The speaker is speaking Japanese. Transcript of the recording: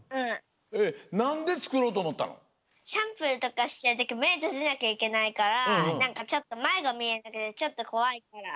シャンプーとかしてるときめとじなきゃいけないからなんかちょっとまえがみえなくてちょっとこわいから。